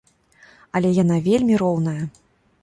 Але яна вельмі роўная.